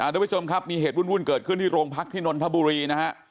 ทุกผู้ชมครับมีเหตุวุ่นเกิดขึ้นที่โรงพักที่นนทบุรีนะฮะ